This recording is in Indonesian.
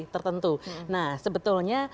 tertentu nah sebetulnya